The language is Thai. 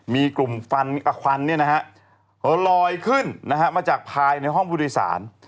มีกลุ่มฟันกระควันลอยขึ้นมาจากภายในห้องบุรุษศาล